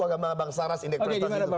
agama bangsa ras indeks prestasi